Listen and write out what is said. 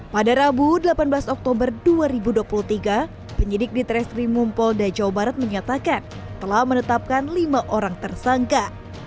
pada rabu delapan belas oktober dua ribu dua puluh tiga penyidik di treskrimum polda jawa barat menyatakan telah menetapkan lima orang tersangka